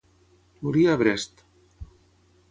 Morí a Brest.